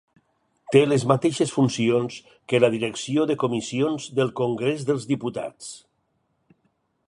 Té les mateixes funcions que la Direcció de Comissions del Congrés dels Diputats.